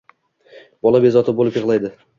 Bola bezovta bo`lib yig`laydi